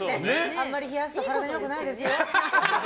あんまり冷やすと体に良くないですよ。